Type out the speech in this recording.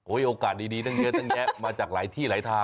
โอกาสดีตั้งเยอะตั้งแยะมาจากหลายที่หลายทาง